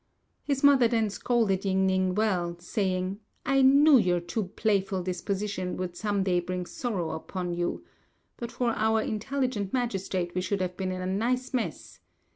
His mother then scolded Ying ning well, saying, "I knew your too playful disposition would some day bring sorrow upon you. But for our intelligent magistrate we should have been in a nice mess.